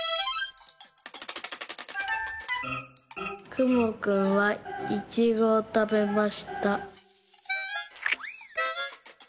「くもくんはイチゴをたべました」。